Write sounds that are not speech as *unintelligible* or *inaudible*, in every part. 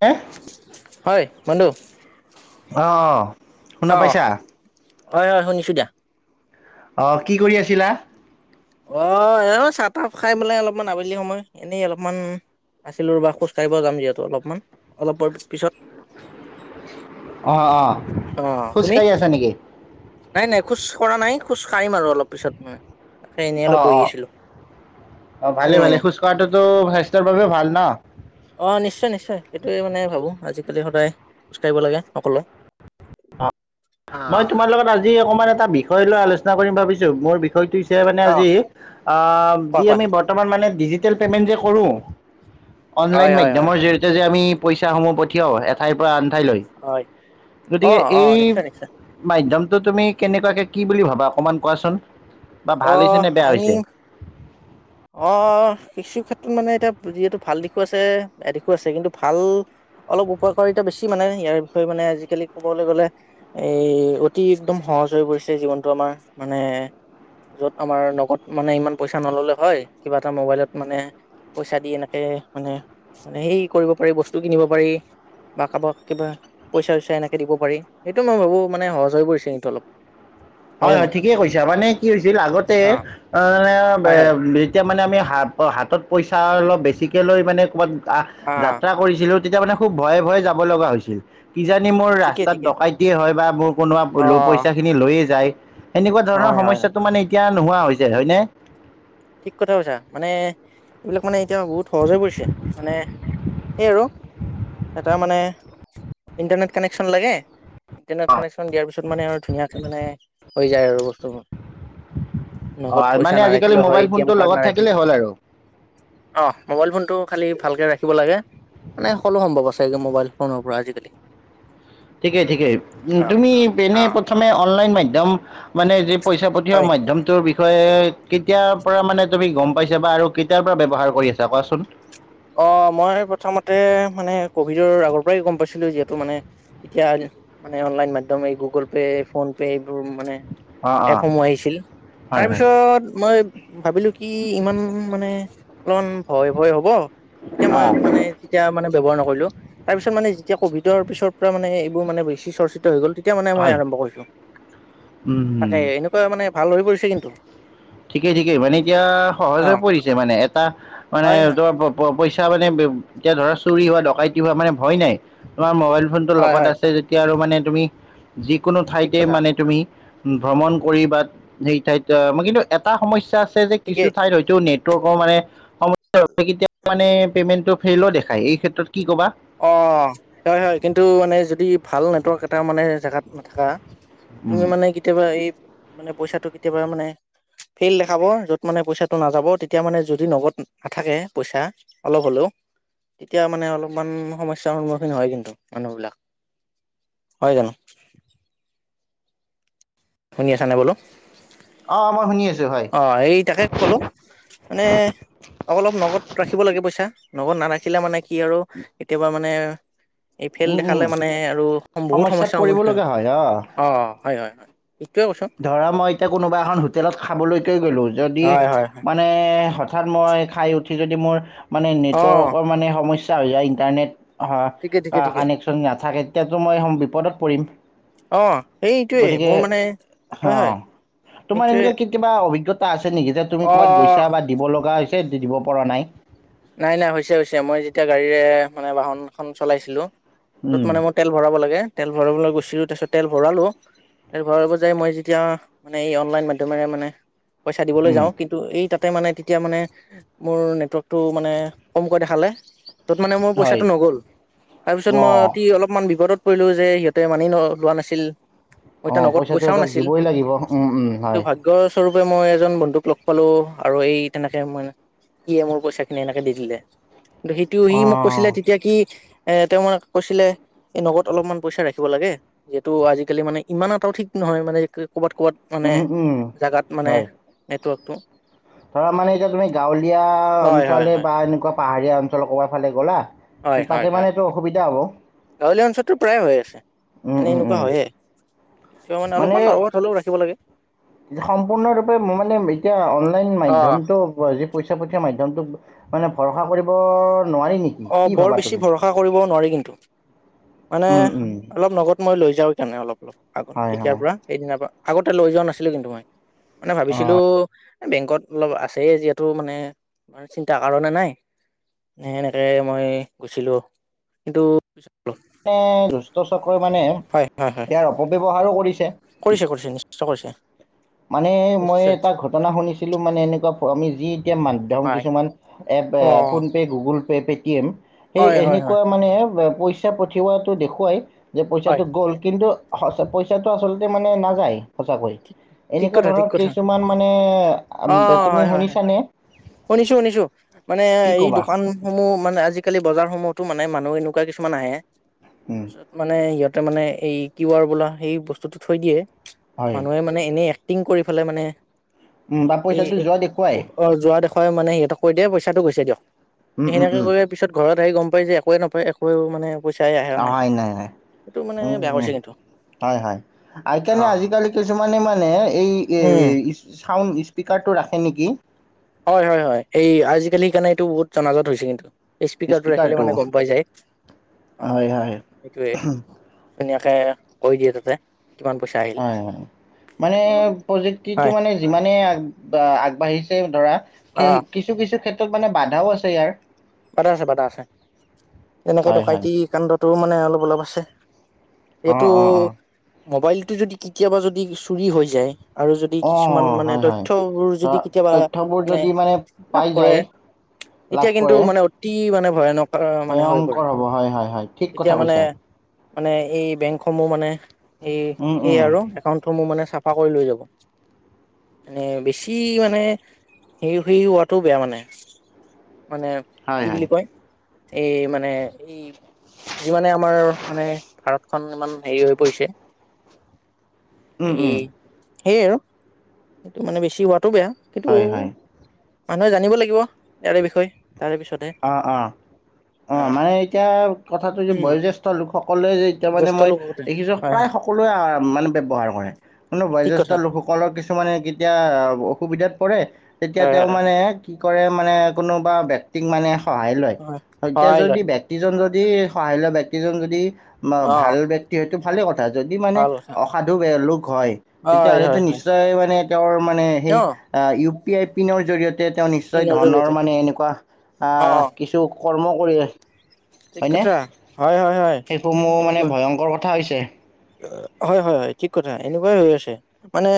হে হয় বন্ধু অহ শুনা অহ পাইছা। হয় হয় শুনিছো দিয়া। অহ কি কৰি আছিলা। অহ এনেই চাহ তাহ খাই মেলাই অলপমান আবেলি সময় এনেই অলপমান আছিলো ৰবা খোজ কাঢ়িব যাম যিহেতু অলপমান অলপ পিছত। অহ অহ। অহ তুমি নাই নাই খোজ কৰা নাই খোজ কাঢ়িম আৰু অলপ পিছত উম। অ অ অ ভালে উম ভালে খোজ কঢ়াটো টো স্বাস্থ্যৰ বাবে ভাল ন। এই মানে ভাবো আজিকালি সদায় খোজ কাঢ়িব লাগে সকলোৱে। মই আহ তোমাৰ লগত আজি অকমান এটা বিষয় লৈ আলোচ। চনা কৰিম ভাবিছো মোৰ বি। ষয়টো হৈছে মানে অ আজি আহ কোৱা যি কোৱা আমি বৰ্তমান মানে ডিজি। তেল পে'মেণ্ট যে কৰোঁ। হয় অনলাইন হয় হয় মাধ্যমৰ হয় জৰিয়তে যে আমি। পইচাসমূহ পঠিয়াও এঠাইৰ পৰা আন। ঠাই লৈ হয় অ গতিকে অ এই। নিশ্চয় নিশ্চয় মাধ্যম। ত তুমি কেনেকুৱাকে কি বুলি ভাবা অকণমান কোৱাচোন? বা ভাল হৈছে অহ, নে বেয়া আই হৈছে মিন, অহ অহ অহ কিছু- ক্ষেত্ৰত মানে এতিয়া বুজি, যিহেতু ভাল দিশো আছে, বেয়া দিশো আছে। কিন্তু ভাল, অলপ উপকাৰ এতিয়া বেছি মানে ইয়াৰ বিষয়ে মানে আজিকালি ক'বলৈ গ'লে, এই, অতি একদম সহজ হৈ গৈছে জীৱনটো আমাৰ। মানে- য'ত আমাৰ নগদ মানে ইমান পইচা নল'লেও হয়। কিবা এটা মোবাইলত মানে পইচা দি এনেকে মানে, মানে হৈ কৰিব পাৰি, বস্তু কিনিব পাৰি বা কাৰোবাক কিবা, পইচা-চইচা এনেকে দিব পাৰি। সেইটো মই ভাবোঁ মানে সহজ হৈ পৰিছে কিন্তু অলপ। নহয় হয় জানো হয়, ঠিকেই কৈছা। মানে- কি হৈছিল, আগতে অ', অ' নে, ব, হয় এ, হয় যেতিয়া- মানে আমি হাত, অ' হাতত পইচা অলপ বেছিকে লৈ মানে ক'ৰবাত- আহ, অ', যাত্ৰা কৰিছিলোঁ- তেতিয়া মানে খুব ভয়ে ভয়ে যাবলগা হৈছিল। কিজানি মোৰ ঠিকে ৰাস্তাত ঠিকে ডকাইটিয়ে হয় বা মোৰ কোনোবা প, ল, অ', পইচাখিনি লৈয়ে- যায়। সেনেকুৱা ধৰণৰ হয় হয়। সমস্যাটো মানে এতিয়া- নোহোৱা হৈছে, হয়নে? ঠিক কথা কৈছা মানে এইবিলাক মানে এতিয়া বহুত সহজ হৈ পৰিছে মানে সেই আৰু, এটা মানে ইণ্টাৰনেট কানেকচন লাগে ইণ্টাৰনেট কানেকচন দিয়াৰ পিছত মানে আৰু ধুনীয়াকে মানে হৈ যায় আৰু বস্তুবোৰ। অহ, আ' মানে আজিকালি মোবাইল ফোন *unintelligible* অহ, মোবাইল ফোন টো খালি ভালকে ৰাখিব লাগে, মানে সকলো সম্ভৱ আছে একদম মোবাইল ফোনৰ পৰা আজিকালি। ঠিকে ঠিকে উম, অ তুমি এনে অ প্ৰথমে অনলাইন মাধ ধম মানে যে হয় পইচাপাতিহৰ মাধ্যমটোৰ বিষ বিষয়ে কেতিয়াৰ পৰা মানে তুমি গম পাইছা বা আৰু কেতিয়াৰ পৰা ব্যৱহাৰ কৰি আছা কোৱাচোন। অ' মই প্ৰথমতে মানে ক'ভিডৰ আগৰ পৰাই গম পাইছিলোঁ যিহেতু মানে এতিয়া মানে অনলাইন মাধ্যম এই গুগল পে, ফোন পে এইবোৰ মানে অ অ এপসমূহ আহিছিল হয় হয় তাৰপিছত মই ভাবিলোঁ কি ইমান মানে কন ভয় ভয় হ'ব। তেতিয়া অ মই মানে, তেতিয়া মানে ব্যৱহাৰ নকৰিলোঁ। তাৰপিছত- মানে যেতিয়া ক'ভিডৰ পিছৰ পৰা মানে এইবোৰ মানে বেছি চৰ্চিত হৈ গ'ল তি- তিয়া মানে মই হয় আৰম্ভ কৰিছোঁ। উম তাকে এনেকুৱাই মানে- ভাল হৈ পৰিছে কিন্তু। ঠিকে ঠিকে। মানে এতিয়া অ সহজে পৰিছে মানে। এটা মানে হয় হয় ত প প পইচ- তিয়া মানে বে, এতিয়া ধৰা চুৰি হোৱা ডকাইতি হোৱা, মানে ভয় নাই। তোমাৰ মোবাইল- ফোনটো হয় লগত হয় আছে যেতিয়া আৰু মানে- তুমি- যিকোনো ঠিক ঠাইতে কথা মানে তুমি। ভ্ৰমণ কৰি বা সেই ঠাইত মই কিন্তু। এটা সমস্যা আছে। যে কিছু ঠিকেই ঠাইত হয়তো নেটৱৰ্কৰ মানে কেতিয়া মানে পেমেণ্টটো ফেইলো দেখাই এই ক্ষেত্ৰত কি কবা। অ হয় হয় কিন্তু মানে যদি ভাল নেটৱৰ্ক এটা মানে জেগাত নাথাকা। তুমি উম, মানে কেতিয়াবা এই মানে পইচাটো কেতিয়াবা মানে ফেইল দেখাব য'ত মানে পইচাটো নাযাব তেতিয়া মানে যদি নগদ নাথাকে পইচা অলপ হ'লেও তেতিয়া মানে অলপ। কিমান সমস্যাৰ সন্মুখীন হয় কিন্তু মানুহ বিলাক হয় জানো। শুনি আছা নে বোলো অ মই শুনি আছ অ এই তাকে ক'লোঁ মানে অলপ নগদ ৰাখিব লাগে পইচা লগত নাৰাখিলে মানে কি আৰু কেতিয়াবা মানে এই ফেইল উম, উম দেখালে মানে আৰু বহুত সমস্যাত সমস্যা পৰিব সন্মুখীন লগা হয় অ হয় হয় হয় এইটোৱে কৈছো ধৰা মই এতিয়া কোনোবা এখন হোটেলত খাবলৈ গলো যদি হয় হয় হয় মানে হঠ হঠাৎ মই খাই উঠি যদি মোৰ মানে অ নেটৱৰ্কৰ মানে সমস্ চা হৈ যায় ইণ্টাৰনেট হা ঠিকে ঠিকে আ ঠিকে কানেকচন নাথাকে তেতিয়াতো মই বিপদত পৰিম অ সেইটোৱে গতিকে মোৰ মানে হয় হয় হঁ, তোমাৰ এইটোৱে এনেকুৱা কেতিয়াবা অভিজ্ঞতা আছে নেকি, যে তুমি ক'বাত অ গৈছা বা দিব লগা হৈছে এ, দিব পৰা নাই। নাই নাই, হৈছে হৈছে। মই যেতিয়া গাড়ীৰে মানে, বাহনখন চলাইছিলো য'ত উম, মানে মোৰ তেল ভৰাব লাগে তেল ভৰাবলৈ গৈছিলোঁ তাৰপিছত, তেল ভৰালোঁ। তেল ভৰাব যায় মই যেতিয়া মানে, এই অনলাইন মাধ্যমেৰে মানে পইচা দিবলৈ উম, যাওঁ, কিন্তু এই তাত মানে তেতিয়া মানে, মোৰ নেটৱৰ্ক টো মানে কমকৈ দেখালে য'ত মানে মোৰ হয় পইচাটো নগ'ল। তাৰপিছত মই অঁ অতি, অলপমান বিপদত কৰিলো যে, সিহঁতে মানি ন, লোৱা নাছিল। মোৰ এতিয়া অ', নগদ পইচাটো পইচাও সিহঁতক নাছিল দিবই লাগিব। উম, উম, কিন্তু হয়। *unintelligible* মই এজন বন্ধুক লগ পালো আৰু এই তেনেকে মানে, সিয়ে মোৰ পইচা *unintelligible* এনেকে দি দিলে। *unintelligible* সেইটো সি মোক অঁ কৈছিলে তেতিয়া কি- এ তেওঁ মানে কৈছিলে, এই নগদ অলপমান পইচা ৰাখিব লাগে, যিহেতু আজিকালি মানে ইমান এটাওঁ ঠিক নহয় মানে ক'ৰবাত ক'ৰবাত মানে উম, উম, জাগাত মানে হয় *unintelligible* ধৰা মানে এতিয়া তুমি গাঁৱলীয়া হয় হয় অঞ্চলে *unintelligible* হয় পাহাৰীয়া অঞ্চলৰ ক'বা ফালে গ'লা? হয় হয় তাতে হয় মানে এইটো অসুবিধা হ'ব। গাঁৱলীয়া অঞ্চলতটো প্ৰায় হৈ আছে, উম, মানে উম, এনেকুৱা উম। হয়ে। মানে সম্পূৰ্ণৰূপে মোৰ মানে, এতিয়া অনলাইন অ মাধ্যমটো যি পইচা পঠিওৱা মা টো, মানে ভৰসা কৰিব নোৱাৰি নেকি অ', কি বৰ ভাবা বেছি তুমি ভৰসা কৰিব নোৱাৰি কিন্তু। মানে উম, উম। অলপ নগদ মই লৈ যাওঁ কেণে অলপ, অলপ আগত হয় তেতিয়াৰ হয় পৰা সেইদিনাৰ পৰা আগতে লৈ যোৱা নাছিলোঁ কিন্তু মই। মানে অ, ভাবিছিলোঁ এই বেংকত অলপ আছেই যিহেতু মানে চিন্তাৰ কাৰণে নাই নে এ, মই গৈছিলোঁ কিন্তু নে, দুুষ্টচক্ৰই মানে হয় হয় হয় ইয়াৰ অপব্যৱহাৰো কৰিছে। কৰিছে *unintelligible* কৰিছে মানে মই নিশ্চয় এটা ঘটনা শুনিছিলো মানে এনেকুৱা আমি যি- এতি মাধ্যম হয় কিছুমান- এপ অ PhonePe Google Pay pay T এ *unintelligible* সেই হয় হয় হয় এনেকুৱা মানে পইচা পঠিওৱাটো দেখুৱাই, যে হয় পইচাটো গ'ল কিন্তু, সঁচ পইচাটো আচলতে মানে নাযায়। সঁচাকৈ। ঠিক ঠিক এনেকুৱা কথা ধৰণৰ ঠিক কথা কিছুমান মানে আম, অ তুমি হয় হয় হয় শুনিছানে শুনিছো শুনিছো মানে কি এই ক'বা দোকানসমূহ মানে আজিকালি বজাৰসমূহ- তো মানে মানুহ এনেকুৱা কিছুমান আহে উম, পিছত মানে ইহঁত তাৰমানে এই কিউআৰ বোলা সেই বস্তুটো থৈ দিয়ে। হয় মানুহে মানে এনেই এক টিঙ কৰি পেলাই মানে উম, বা এই, পইচাটো যোৱা দেখুৱাই অ', যোৱা দেখুৱাই মানে সিহঁতক কৈ দিয়ে পইচাটো গৈছে দিয়ক। উম, উম, সেনেকে উম। কৰি পিছত ঘৰত আহি গম পাই যে একোৱে নাপায় একোৱে মানে পইচাই আহা অহাই নাই হয়। সেইটো মানে উম বেয়া উম, কৰিছে কিন্তু হয়, হয়। অ। এইকাৰণে আজিকালি কিছুমানে মানে এই এ উম ইচ ইচ ছাউণ্ড স্পীকাৰটো ৰাখে নেকি? হয়, হয়, হয়। এই আজিকালি সেইকাৰণে এইটো বহুত জনাজত হৈছে কিন্তু। স্পিকাৰটো ৰাখিলে স্পীকাৰটো মানে গম পাই যায়। অ', হয় হয় সেইটোৱে। ধুনীয়া তাকে কৈ দিয়ে তাতে কিমান পইচা আহিল হয়, হয়, মানে এইটো প্ৰযুক্তিটো হয় মানে যিমানে আগ আগবাঢ়িছে *unintelligible* ধৰা। অ কেই কিছু কিছু ক্ষেত্ ত'মানে বাধাও আছে ইয়াৰ। বাধা আছে-বাধা আছে এনেকে হয় হয় ডকাইতি কাণ্ডত টো মানে অলপ-অলপ আছে। অ এইটো অ মোবাইলটো যদি কেতিয়াবা যদ দি চুৰি হৈ যায় আৰু যদি অ কিছুমান অ মানে হয় হয়। তথ্যবোৰ যদি ধৰা কেতিয়াবা তথ্যবোৰ মানে যদি লাভ পাই কৰে যায় লাভ তেতিয়া কিন টো কৰে মানে অতি মানে ভয়ানক। হৈ পৰে ভয়ংকৰ হ'ব, হয় হয় হয়। ঠিক তেতিয়া কথা মানে কৈছা। মানে এই বেংকসমূহ মানে এই উম সেই উম আৰু একাউণ্টসমূহ মানে চাফা কৰি লৈ যাব, এনে বেছি মানে হে সে হোৱাটোও বেয়া মানে। মানে হয় কি হয় বুলি কয়। এই মানে, ই যিমানে আমাৰ মানে ভাৰত খন ইমান হেৰি হৈ পৰিছে। উম এই, উম সেই আৰু। মানে বেছি হোৱাটোও বেয়া। সেইটো হয় হয় মানুহে জানিব লাগিব ইয়াৰে বিষয়ে। তাৰে পিছতহে অ', অ', অ', মানে এতিয়া কথাটো যে উম বয়োজ্যেষ্ঠ লোকসকলে যে এতিয়া মানে জ্যেষ্ঠ মই লোক হতে দেখিছোঁ হয় প্ৰায় হয় সকলোৱে মানে ব্যৱহাৰ কৰে। মানে ঠিক বয়োজ্যেষ্ঠ কথা লোকসকলৰ কিছুমানে কেতিয়া অসুবিধাত কৰে। তেতিয়া হয় হয় তেওঁ হয় মানে কি কৰে মানে কোনোবা বেগ *unintelligible* মানে সহায় লয়। হয় সগ্য সহায় যদি লয় ব্যক্তিজন য তি সহায় লোৱা ব্যক্তিজন যদি ম অ ভাল ব্যক্তিয়ে ভালে ক যদি মানে ভাল কথা অসাধু লোক হয়, হয় তেতিয়াহ'লেটো হয় হয় নিশ্চয় মানে তেওঁৰ মা মানে সেই অ অ পি আই পিনৰ জৰিয়ত তে তেওঁ নিশ্চয় পিনৰ ধনৰ জৰিয়তে মানে এনেকুৱা অ অ আৰু কিছু কৰ্ম কৰি ৰা ঠিক হয়নে? কথা হয় হয় হয় সেইটো মোৰ মানে এনেকুৱা ভয়ংকৰ কথা হৈছে। হয় হয় হয়, ঠিক কথা। এনেকুৱাই হৈ আছে। মানে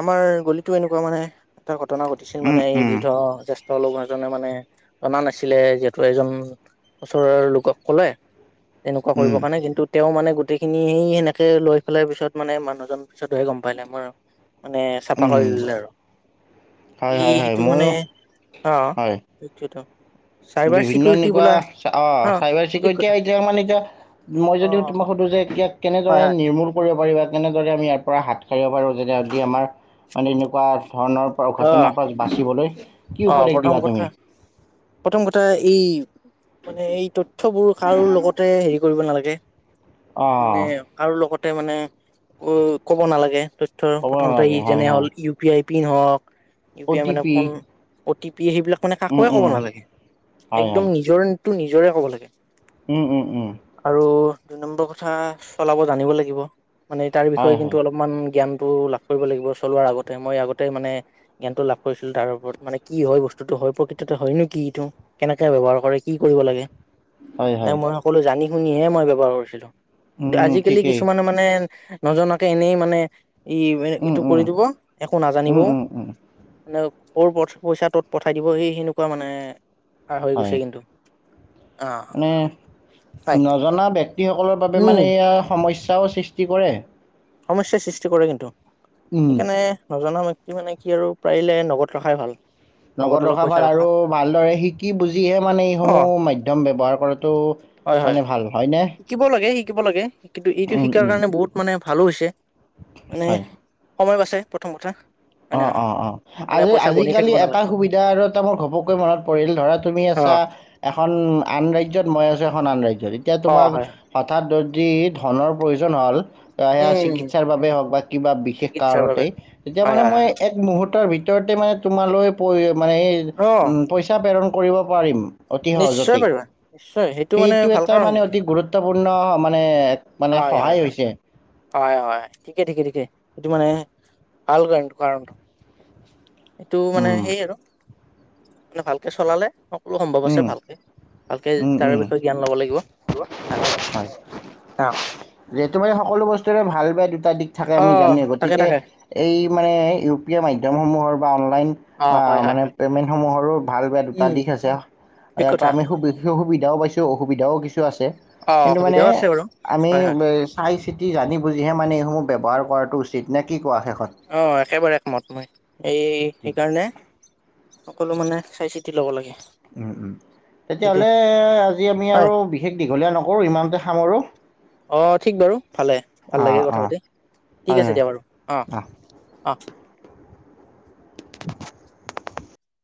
আমাৰ গলিতো এনেকুৱা মানে, *unintelligible* ঘটনা ঘটিছিল উম মানে, এই উম বিধ জেষ তেওঁ লগোৱা জনে মানে জনা নাছিলে যিহেতু এজন ওচৰৰ লোকক কলে তেনেকুৱা উম কৰিবৰ কাৰণে কিন্তু তেওঁ মানে গোটেই খিনি সেই সেনেকে লৈ ফেলাই পিছত মানে মানুহজন পিছতহে গম পালে মৰ মানে চাফা উম কৰি দিলে আৰু হয় হয় হয় এইটো মানে ময়ো স হয় সেইটোৱে ত বিভিন্ন এনেকুৱা অ চাইবাৰ ঠিক চিকৰিটি কথা এতিয়া মানে এতিয়া মই অ যদি তোমাক যে এতিয়াক হয় কেনেদৰে হয় নিৰ্মূল কৰিব কৰিবা তেনেদৰে আমি ইয়াৰ পৰা হাত সাৰিব পাৰো যেতি যদি আমাৰ মানে এনেকুৱা ধৰণৰ পৰা অ ঘটনাৰ পৰা বাচিবলৈ কি অ উপদেশ প্ৰথম দিবা কথা তুমি প্ৰথম কথ টা এই মানে এই তথ্যবোৰ কাৰো লগতে হেৰি কৰিব নালাগ গে। অঁ মানে কাৰো লগত তে মানে উ ক'ব নালাগে ত থ্য ক'ব প্ৰথমতে নালাগে ই হয় যেনে হয় হ'ল ইউ পি আই পিন হওক ইও পি অ' আই টি মানে ফোন। অতি। সেইবিলাক মানে উম কাকোৱে ক'ব উম নালাগে হয় একদম হয় নিজৰ। টো নিজৰে ক'ব লাগে। উম উম উম। আৰু দুই নম্বৰ কথা চলাব জানিব লাগিব। মানে তাৰ হয় বিষয়ে কিন্তু হয় অলপমান জ্ঞান। টো লাভ কৰিব লাগিব চলোৱাৰ আগতে মই আগতেই মানে জ্ঞানটো লাভ কৰিছিলো তাৰ ওপৰত। মানে কি হয় বস্তুতটো হয় প্ৰকৃততে হয় নো কি এইটো কেনেকে ব্যবহাৰ কৰে কি কৰিব লাগে। হয় নাই হয় মই সকলো জানি। আপুনিহে মই ব্যৱহাৰ কৰিছিলোঁ। উম আজিকালি ঠিকেই কিছুমানে মানে। নজনাকে এনেই মানে। ই উম এইটো উম কৰি দিব একো উম, নাজানিবও উম, উম, মানে। অ'ৰ পথ-পইচা ত'ত পঠাই দিব এই সেই সেনেকুৱা মানে *unintelligible* হৈ হয়। গৈছে কিন্তু অ মানে, পাই নজনা ব্যক্তিসকলৰ বাবে উম মানে এয়া সমস্যাওঁ সৃষ্টি কৰে। সমস্যাৰ সৃষ্টি কৰে কিন্তু। উম। সেইকাৰণে নজনা মই *unintelligible* মানে কি আৰু পাৰিলে নগদ ৰখাই ভাল। নগদ ৰখা ভাল আৰু ভালদৰে শিকি বুজিহে মানে অ এইসমূহ মাধ্যম ব্যৱহাৰ কৰাটো হয় হয় মানে ভাল, হয়নে। শিকিব লাগে শিকিব লাগে কিন্তু এইটো উম, শিকাৰ উম। কাৰণে বহুত মানে ভালো হৈছে। মানে হয়। সময় বাছে, প্ৰথম কথা। হয় নে অ', নহয় অ', অ'। মানে পইচা গণি আজি-আজিকালি থাকিব এটা নালাগে সুবিধা আৰু এটা মোৰ ঘপকৈ মনত পৰিল ধৰা তুমি অ আছা, এখন আন ৰাজ *unintelligible* মই আছোঁ এখন আন ৰাজ্য তেতিয়া অ তোমাক হয় হয় হঠাৎ *unintelligible* ধনৰ প্ৰয়োজন হ'ল সেয়া উম চিকিৎসাৰ বাবে হওঁক বা কিবা বিশেষ চিকিৎসাৰ বাবে কাৰণতেই, তেতিয়া হয় মানে হয় মই হয় এক মুহূৰ্তৰ ভিতৰ *unintelligible* তোমালৈ প মানে এই, অ পইচা প্ৰেৰণ কৰিব পাৰিম। অতি নিশ্চয় সহজতেই। পাৰিবা নিশ্চয় সেইটো মানে ভাল এটা কাৰং মানে সেইটো, অতি গুৰুত্বপূৰ্ণ মানে মানে হয়, হয়, সহায় হয়, হৈছে হয়, হয়, ঠিকে, ঠিকে, ঠিকে। সেইটো মানে *unintelligible* এইটো মানে উম সেই আৰু মানে ভালকে চলালে সম্ভৱ আছে উম, ভালকে ভালকে উম, তাৰ উম, বিষয়ে জ্ঞান ল'ব লাগিব তাকে ভাবিছো হয়। অ যিহেতু মানে সকলো বস্তুৰে ভাল বেয়া দুটা দিশ থাকে অ আমি জানোৱে, তাকে গতিকে তাকে এই মানে ইউ পি আই মাধ্যমসমূহৰ *unintelligible* অ *unintelligible* হয় হয় মানে হয় পেমেণ্ট সমূহৰো ভাল বেয়া দুটা উম দিশ আছে। ঠিক ইয়াৰ কথা পৰা আমি খুব সুবিধাও পাইছো, অসুবিধাও কিছু *unintelligible* আছে। অ কিন্তু মানে অসুবিধাও আছে বাৰু আমি হয় হয় চাই চিতি, জানি বুজিহে মানে এইসমূহ ব্যৱহাৰ কৰাটো উচিত নে কি কোৱা শেষত অ', একেবাৰে একমত মই! এই ঠিক সেইকাৰণে সকলো মানে চাই-চিতি ল'ব লাগে। উম, উম, ঠিকে তেতিয়াহ'লে আজি আমি হয় আৰু বিশেষ দীঘলীয়া নকৰোঁ, ইমানতে খামৰোঁ। অ', ঠিক বাৰু ভালে। ভাল লাগিল কথা অঁ পাতি, ঠিক হয় আছে হয় দিয়া বাৰু অ', অঁ অ'। *inaudible*